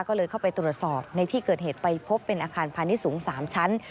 ก็เลยเข้าไปตรวจสอบในที่เกิดเหตุไปพบเป็นอาคารพาณิชย์สูง๓ชั้น